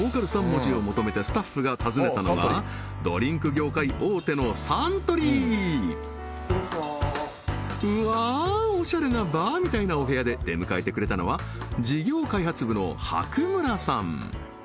３文字を求めてスタッフが訪ねたのがドリンク業界大手のサントリーうわおしゃれなバーみたいなお部屋で出迎えてくれたのは事業開発部の白村さん